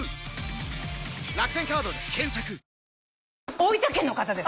大分県の方です。